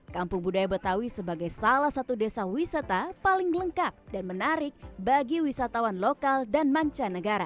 kampung budaya betawi sebagai salah satu desa wisata paling lengkap dan menarik bagi wisatawan lokal dan mancanegara